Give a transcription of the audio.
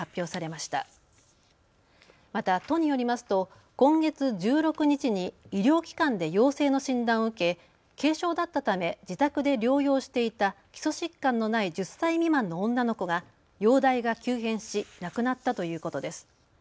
また都によりますと今月１６日に医療機関で陽性の診断を受け軽症だったため自宅で療養していた基礎疾患のない１０歳未満の女の子が容体が急変し亡くなったということです。